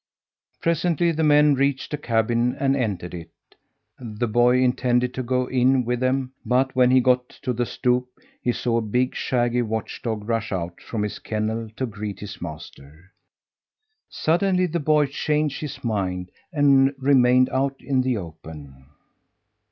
Presently the men reached a cabin and entered it. The boy intended to go in with them; but when he got to the stoop he saw a big, shaggy watch dog rush out from his kennel to greet his master. Suddenly the boy changed his mind and remained out in the open.